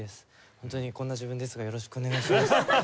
ホントにこんな自分ですがよろしくお願いします。